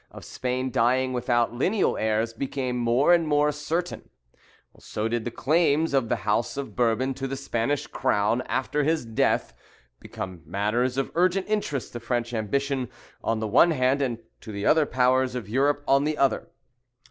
of Spain dying without lineal heirs became more and more certain, so did the claims of the house of Bourbon to the Spanish crown after his death become matters of urgent interest to French ambition on the one hand, and to the other powers of Europe on the other.